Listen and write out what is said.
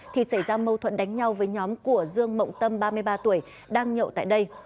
thì xảy ra mâu thuẫn đánh nhau với nhóm của dương mộng tâm ba mươi ba tuổi đang nhậu tại đây